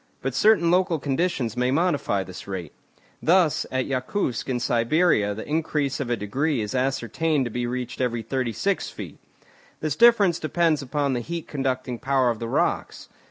But certain local conditions may modify this rate. Thus at Yakoutsk in Siberia the increase of a degree is ascertained to be reached every 36 feet. This difference depends upon the heat conducting power of the rocks.